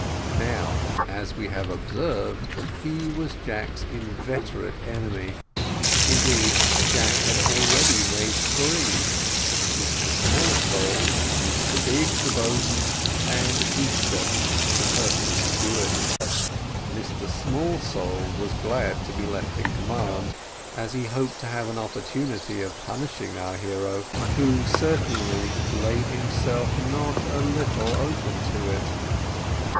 Now, as we have observed, he was Jack's inveterate enemy indeed Jack had already made three, Mr Smallsole, Mr Biggs the boatswain, and Easthupp, the purser's steward. Mr Smallsole was glad to be left in command, as he hoped to have an opportunity of punishing our hero, who certainly laid himself not a little open to it.